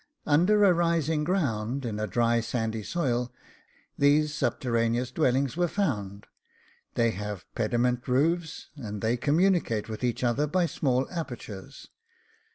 Under a rising ground, in a dry sandy soil, these subterraneous dwellings were found: they have pediment roofs, and they communicate with each other by small apertures.